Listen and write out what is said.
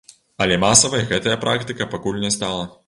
Але масавай гэтая практыка пакуль не стала.